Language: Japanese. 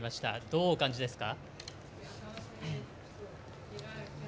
どうお感じですか？